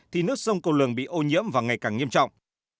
thì nước sông cô lường bị ô nhiễm và ngày càng nghiêm trọng